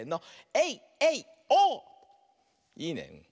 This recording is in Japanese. いいね。